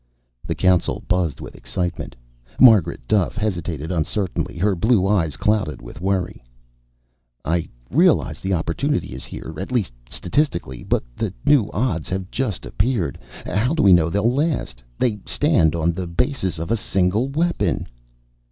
The Council buzzed with excitement. Margaret Duffe hesitated uncertainly, her blue eyes clouded with worry. "I realize the opportunity is here. At least, statistically. But the new odds have just appeared. How do we know they'll last? They stand on the basis of a single weapon."